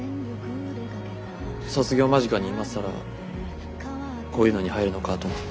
卒業間近に今更こういうのに入るのかと思って。